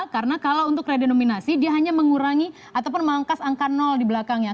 karena kalau untuk redenominasi dia hanya mengurangi ataupun mengangkas angka di belakangnya